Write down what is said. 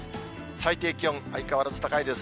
最低気温、相変わらず高いです。